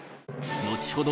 後ほど